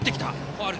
ファウル。